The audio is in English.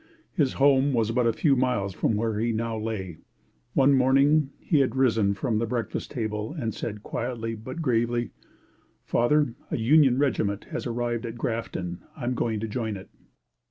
His home was but a few miles from where he now lay. One morning he had risen from the breakfast table and said, quietly but gravely: "Father, a Union regiment has arrived at Grafton. I am going to join it."